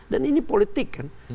dan ini politik kan